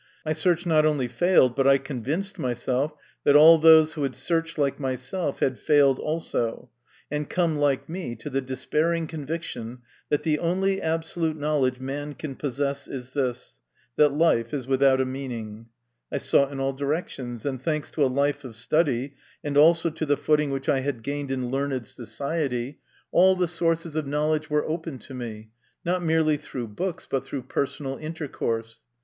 My search not only failed, but I convinced myself that all those who had searched like myself had failed also, and come like me to the despairing conviction that the only absolute knowledge man can possess is this that life is without a meaning. I sought in all directions, and, thanks to a life of study, and also to the footing which I had gained in learned society, 38 MY CONFESSION. 39 all the sources of knowledge were open to me, not merely through books, but through personal intercourse.